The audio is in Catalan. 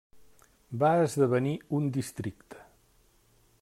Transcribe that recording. Va esdevenir un districte.